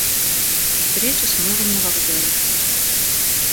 Встреча с мужем на вокзале.